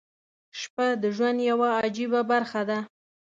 • شپه د ژوند یوه عجیبه برخه ده.